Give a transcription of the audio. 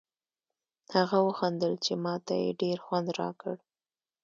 هغه و خندل چې ما ته یې ډېر خوند راکړ.